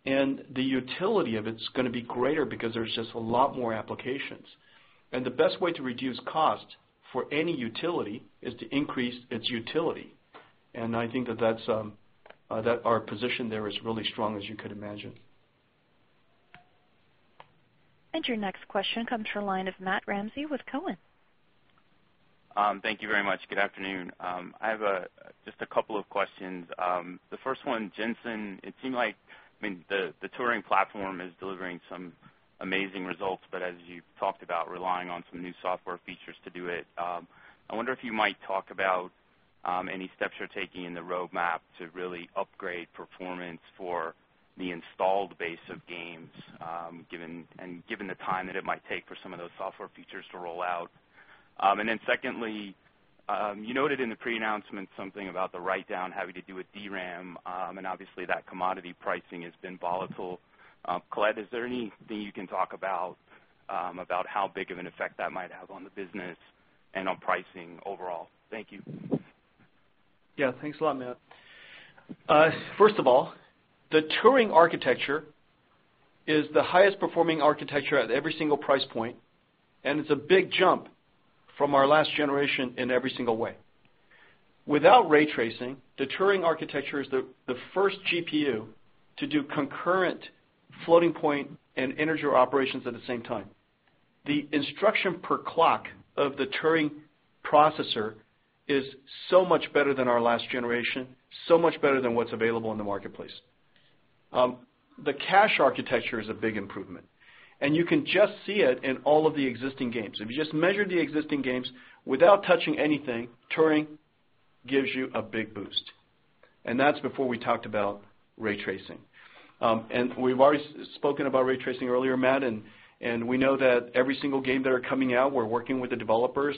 The utility of it is going to be greater because there's just a lot more applications. The best way to reduce cost for any utility is to increase its utility. I think that our position there is really strong, as you could imagine. Your next question comes from the line of Matthew Ramsay with Cowen. Thank you very much. Good afternoon. I have just a couple of questions. The first one, Jensen, it seemed like the Turing platform is delivering some amazing results, but as you talked about relying on some new software features to do it, I wonder if you might talk about any steps you're taking in the roadmap to really upgrade performance for the installed base of games, and given the time that it might take for some of those software features to roll out. Secondly, you noted in the pre-announcement something about the write-down having to do with DRAM, and obviously that commodity pricing has been volatile. Colette, is there anything you can talk about how big of an effect that might have on the business and on pricing overall? Thank you. Yeah. Thanks a lot, Matt. First of all, the Turing architecture is the highest performing architecture at every single price point, and it's a big jump from our last generation in every single way. Without ray tracing, the Turing architecture is the first GPU to do concurrent floating point and integer operations at the same time. The instruction per clock of the Turing processor is so much better than our last generation, so much better than what's available in the marketplace. The cache architecture is a big improvement, and you can just see it in all of the existing games. If you just measure the existing games without touching anything, Turing gives you a big boost, and that's before we talked about ray tracing. We've already spoken about ray tracing earlier, Matt, and we know that every single game that are coming out, we're working with the developers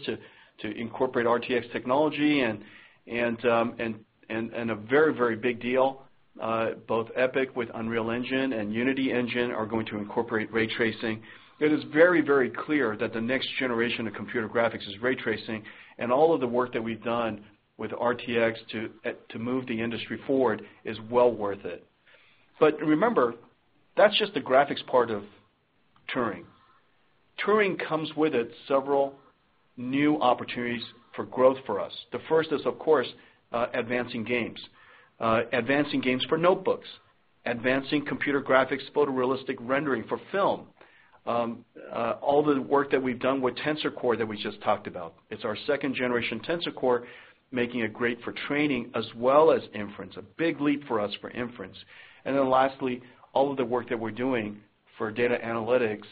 to incorporate RTX technology, and a very big deal both Epic with Unreal Engine and Unity Engine are going to incorporate ray tracing. It is very clear that the next generation of computer graphics is ray tracing, and all of the work that we've done with RTX to move the industry forward is well worth it. Remember, that's just the graphics part of Turing. Turing comes with it several new opportunities for growth for us. The first is, of course, advancing games. Advancing games for notebooks, advancing computer graphics, photorealistic rendering for film. All the work that we've done with Tensor Core that we just talked about. It's our second generation Tensor Core, making it great for training as well as inference, a big leap for us for inference. Lastly, all of the work that we're doing for data analytics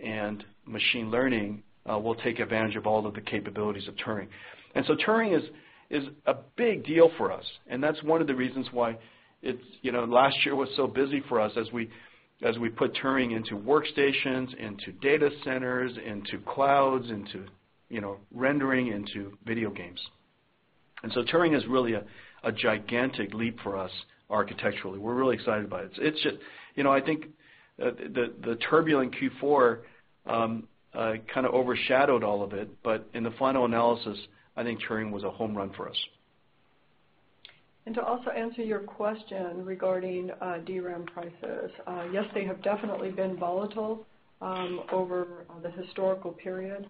and machine learning will take advantage of all of the capabilities of Turing. Turing is a big deal for us, and that's one of the reasons why last year was so busy for us as we put Turing into workstations, into data centers, into clouds, into rendering, into video games. Turing is really a gigantic leap for us architecturally. We're really excited about it. I think the turbulent Q4 kind of overshadowed all of it, in the final analysis, I think Turing was a home run for us. To also answer your question regarding DRAM prices. Yes, they have definitely been volatile over the historical period.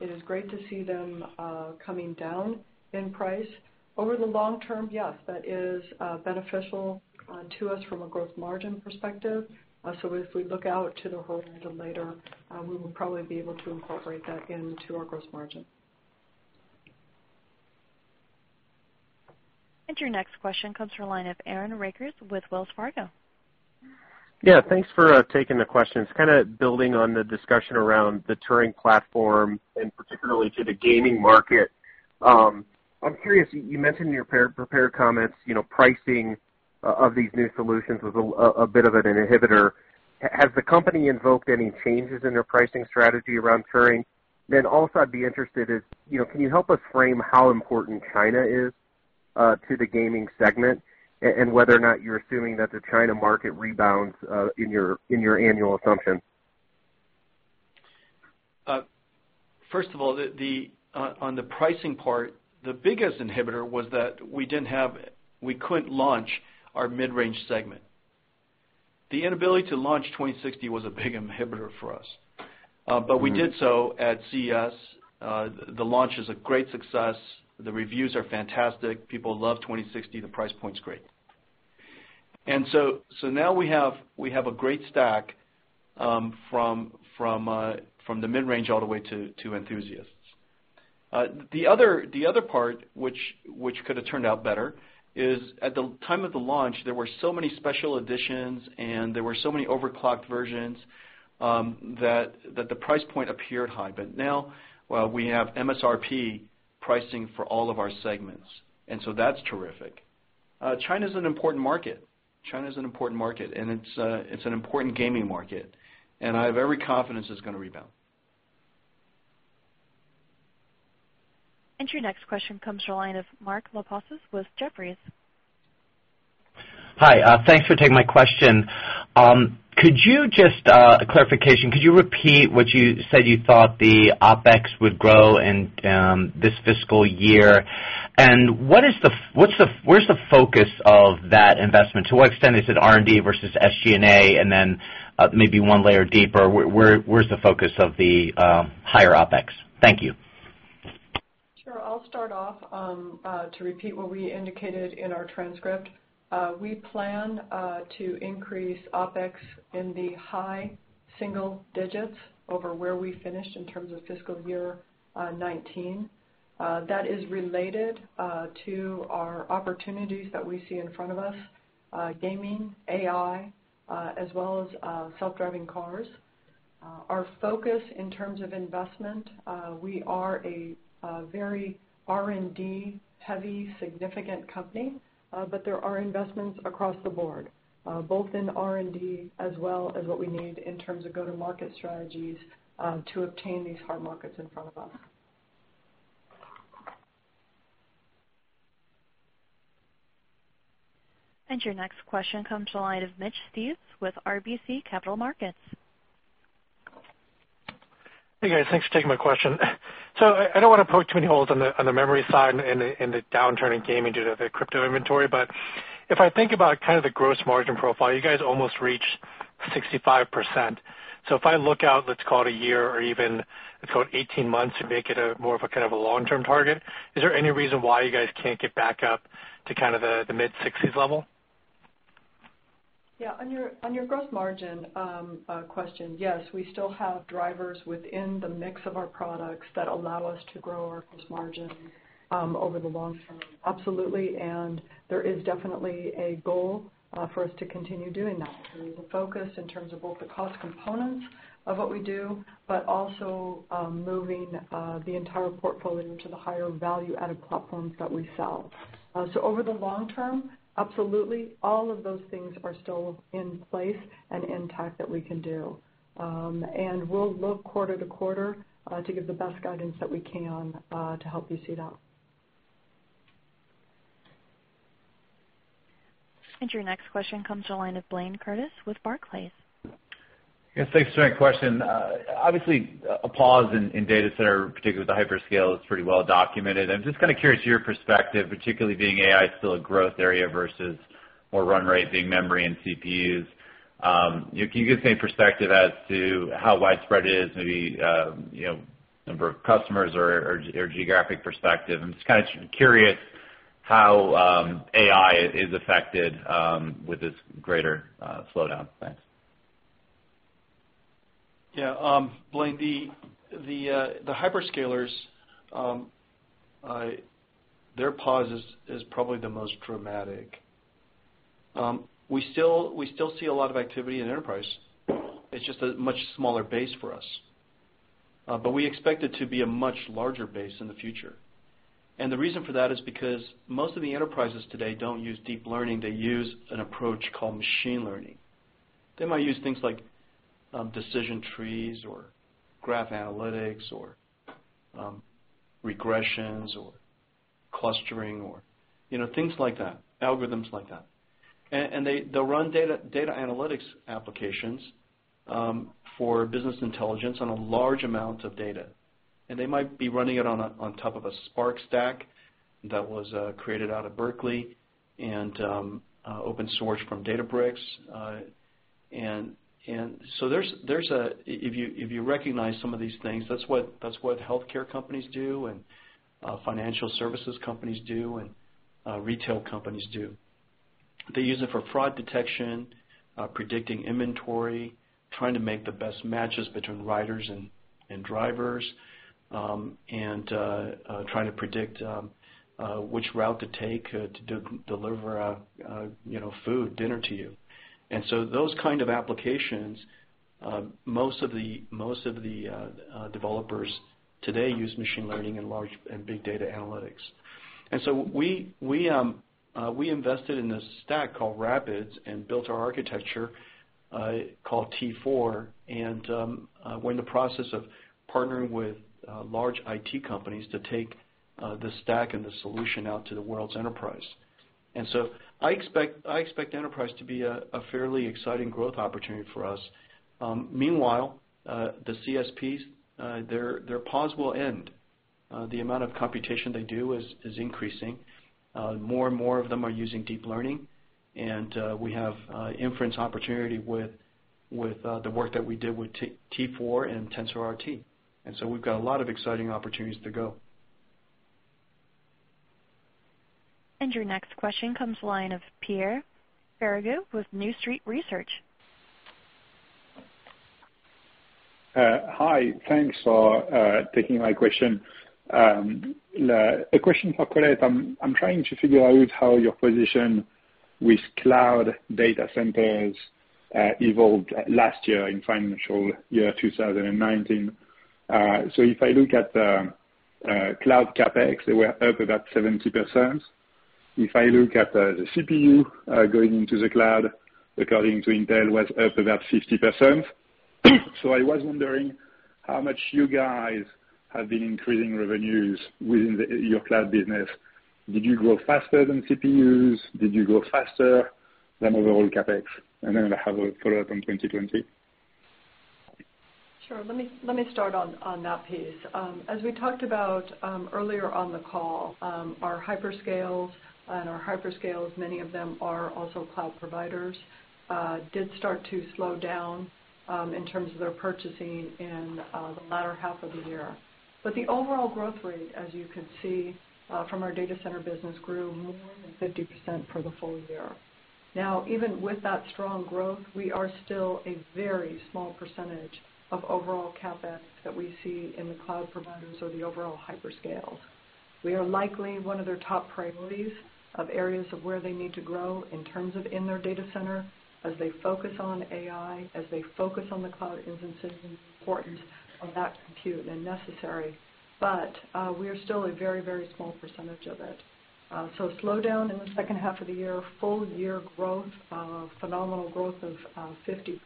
It is great to see them coming down in price. Over the long term, yes, that is beneficial to us from a gross margin perspective. If we look out to the whole end of later, we will probably be able to incorporate that into our gross margin. Your next question comes from the line of Aaron Rakers with Wells Fargo. Thanks for taking the question. It's kind of building on the discussion around the Turing platform and particularly to the gaming market. I'm curious, you mentioned in your prepared comments, pricing of these new solutions was a bit of an inhibitor. Has the company invoked any changes in their pricing strategy around Turing? Also I'd be interested is, can you help us frame how important China is to the gaming segment, and whether or not you're assuming that the China market rebounds in your annual assumptions? First of all, on the pricing part, the biggest inhibitor was that we couldn't launch our mid-range segment. The inability to launch 2060 was a big inhibitor for us. But we did so at CES. The launch is a great success. The reviews are fantastic. People love 2060. The price point is great. So now we have a great stack from the mid-range all the way to enthusiasts. The other part, which could have turned out better, is at the time of the launch, there were so many special editions and there were so many overclocked versions, that the price point appeared high. Now, we have MSRP pricing for all of our segments, and so that's terrific. China's an important market. China is an important market, and it's an important gaming market, and I have every confidence it's going to rebound. Your next question comes to the line of Mark Lipacis with Jefferies. Hi. Thanks for taking my question. Just a clarification, could you repeat what you said you thought the OpEx would grow in this fiscal year? Where's the focus of that investment? To what extent is it R&D versus SG&A? Then maybe one layer deeper, where's the focus of the higher OpEx? Thank you. Sure. I'll start off, to repeat what we indicated in our transcript. We plan to increase OpEx in the high single digits over where we finished in terms of fiscal year 2019. That is related to our opportunities that we see in front of us, gaming, AI, as well as self-driving cars. Our focus in terms of investment, we are a very R&D heavy, significant company, but there are investments across the board, both in R&D as well as what we need in terms of go-to-market strategies to obtain these hard markets in front of us. Your next question comes to the line of Mitch Steves with RBC Capital Markets. Hey, guys. Thanks for taking my question. I don't want to poke too many holes on the memory side and the downturn in gaming due to the crypto inventory. If I think about kind of the gross margin profile, you guys almost reached 65%. If I look out, let's call it a year or even, let's call it 18 months to make it a more of a kind of a long-term target, is there any reason why you guys can't get back up to kind of the mid-60s level? Yeah. On your gross margin question, yes, we still have drivers within the mix of our products that allow us to grow our gross margin over the long term. Absolutely, there is definitely a goal for us to continue doing that, through the focus in terms of both the cost components of what we do, but also, moving the entire portfolio to the higher value-added platforms that we sell. Over the long term, absolutely. All of those things are still in place and intact that we can do. We'll look quarter to quarter to give the best guidance that we can to help you see that. Your next question comes to the line of Blayne Curtis with Barclays. Yes, thanks for taking my question. Obviously, a pause in data center, particularly with the hyperscale, is pretty well documented, I'm just kind of curious your perspective, particularly being AI is still a growth area versus more run rate being memory and CPUs. Can you give me perspective as to how widespread it is, maybe, number of customers or geographic perspective? I'm just kind of curious how AI is affected with this greater slowdown. Thanks. Yeah. Blayne, the hyperscalers, their pause is probably the most dramatic. We still see a lot of activity in the enterprise. It's just a much smaller base for us. We expect it to be a much larger base in the future. The reason for that is because most of the enterprises today don't use deep learning. They use an approach called machine learning. They might use things like decision trees or graph analytics or regressions or clustering or things like that, algorithms like that. They'll run data analytics applications for business intelligence on a large amount of data. They might be running it on top of a Spark stack that was created out of Berkeley and open source from Databricks. If you recognize some of these things, that's what healthcare companies do and financial services companies do and retail companies do. They use it for fraud detection, predicting inventory, trying to make the best matches between riders and drivers, trying to predict which route to take to deliver food, dinner to you. Those kind of applications, most of the developers today use machine learning and big data analytics. We invested in this stack called RAPIDS and built our architecture, called T4, and we're in the process of partnering with large IT companies to take the stack and the solution out to the world's enterprise. I expect enterprise to be a fairly exciting growth opportunity for us. Meanwhile, the CSPs, their pause will end. The amount of computation they do is increasing. More and more of them are using deep learning, and we have inference opportunity with the work that we did with T4 and TensorRT. We've got a lot of exciting opportunities to go. Your next question comes to the line of Pierre Ferragu with New Street Research. Hi. Thanks for taking my question. A question for Colette. I'm trying to figure out how your position with cloud data centers evolved last year in financial year 2019. If I look at the cloud CapEx, they were up about 70%. If I look at the CPU going into the cloud, according to Intel, was up about 50%. I was wondering how much you guys have been increasing revenues within your cloud business. Did you grow faster than CPUs? Did you grow faster than overall CapEx? I have a follow-up on 2020. Sure. Let me start on that piece. As we talked about earlier on the call, our hyperscales, many of them are also cloud providers, did start to slow down in terms of their purchasing in the latter half of the year. The overall growth rate, as you can see from our data center business, grew more than 50% for the full year. Even with that strong growth, we are still a very small percentage of overall CapEx that we see in the cloud providers or the overall hyperscales. We are likely one of their top priorities of areas of where they need to grow in terms of in their data center as they focus on AI, as they focus on the cloud instances, and the importance of that compute, and necessary. We are still a very small percentage of it. Slow down in the second half of the year, full year growth, phenomenal growth of 50%,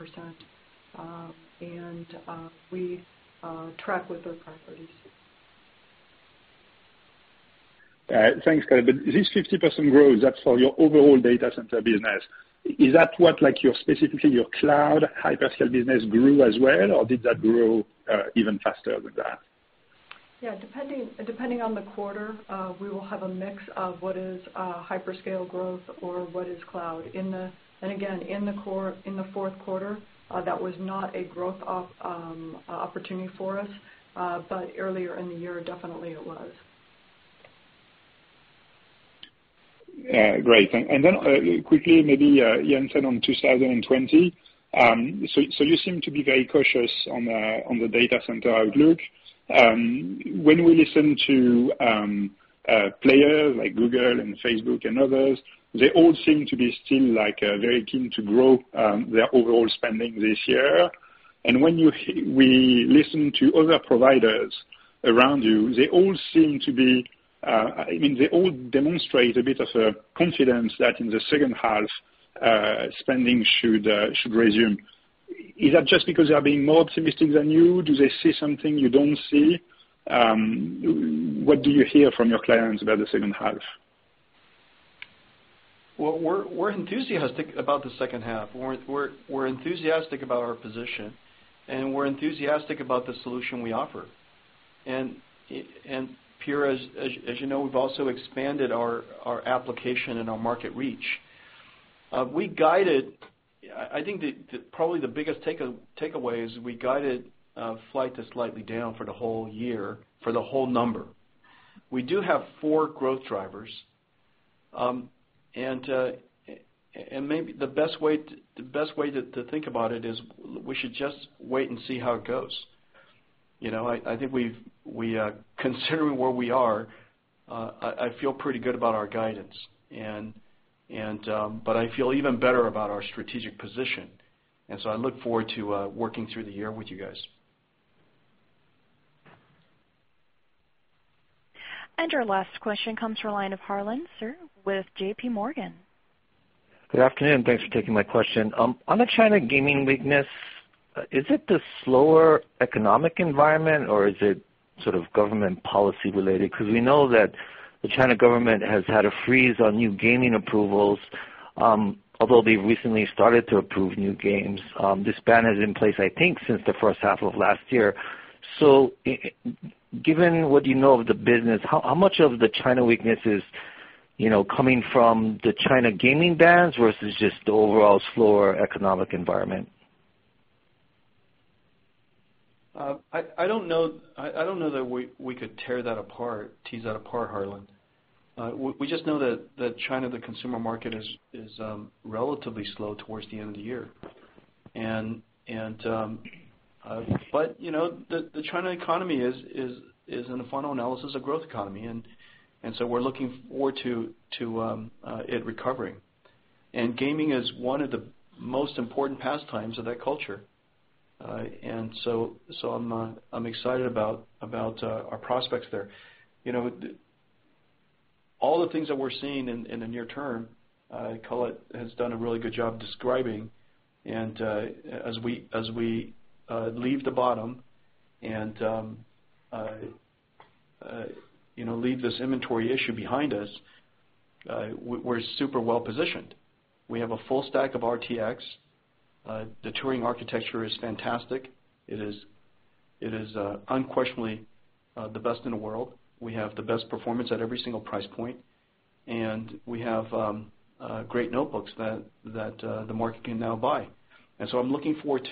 we track with their priorities. Thanks, Colette. This 50% growth, that's for your overall data center business. Is that what specifically your cloud hyperscale business grew as well, or did that grow even faster than that? Yeah, depending on the quarter, we will have a mix of what is hyperscale growth or what is cloud. Again, in the fourth quarter, that was not a growth opportunity for us, but earlier in the year, definitely it was. Yeah. Great. Quickly, maybe Jensen on 2020. You seem to be very cautious on the data center outlook. When we listen to players like Google and Facebook and others, they all seem to be still very keen to grow their overall spending this year. When we listen to other providers around you, they all demonstrate a bit of a confidence that in the second half, spending should resume. Is that just because they are being more optimistic than you? Do they see something you don't see? What do you hear from your clients about the second half? Well, we're enthusiastic about the second half. We're enthusiastic about our position, and we're enthusiastic about the solution we offer. Pierre, as you know, we've also expanded our application and our market reach. I think probably the biggest takeaway is we guided flight to slightly down for the whole year, for the whole number. We do have four growth drivers. Maybe the best way to think about it is we should just wait and see how it goes. I think considering where we are, I feel pretty good about our guidance. I feel even better about our strategic position. I look forward to working through the year with you guys. Our last question comes from the line of Harlan Sur with J.P. Morgan. Good afternoon. Thanks for taking my question. On the China gaming weakness, is it the slower economic environment, or is it sort of government policy related? We know that the China government has had a freeze on new gaming approvals, although they've recently started to approve new games. This ban is in place, I think, since the first half of last year. Given what you know of the business, how much of the China weakness is coming from the China gaming bans versus just the overall slower economic environment? I don't know that we could tease that apart, Harlan. We just know that China, the consumer market, is relatively slow towards the end of the year. The China economy is, in the final analysis, a growth economy, we're looking forward to it recovering. Gaming is one of the most important pastimes of that culture. I'm excited about our prospects there. All the things that we're seeing in the near term, Colette has done a really good job describing. As we leave the bottom and leave this inventory issue behind us, we're super well-positioned. We have a full stack of RTX. The Turing architecture is fantastic. It is unquestionably the best in the world. We have the best performance at every single price point, and we have great notebooks that the market can now buy. I'm looking forward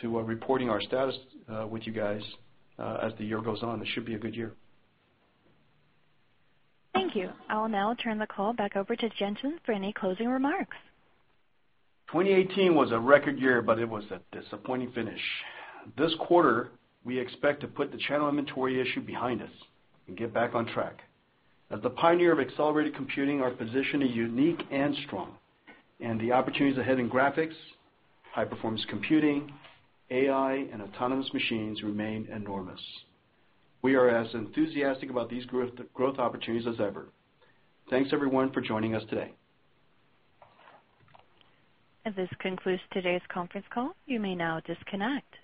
to reporting our status with you guys as the year goes on. It should be a good year. Thank you. I'll now turn the call back over to Jensen for any closing remarks. 2018 was a record year. It was a disappointing finish. This quarter, we expect to put the channel inventory issue behind us and get back on track. As the pioneer of accelerated computing, our position is unique and strong, and the opportunities ahead in graphics, high-performance computing, AI, and autonomous machines remain enormous. We are as enthusiastic about these growth opportunities as ever. Thanks, everyone, for joining us today. This concludes today's conference call. You may now disconnect.